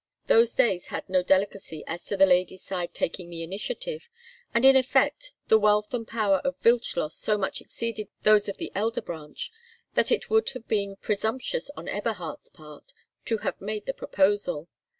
Those days had no delicacies as to the lady's side taking the initiative: and, in effect, the wealth and power of Wildschloss so much exceeded those of the elder branch that it would have been presumptuous on Eberhard's part to have made the proposal.